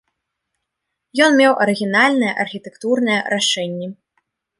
Ён меў арыгінальнае архітэктурнае рашэнне.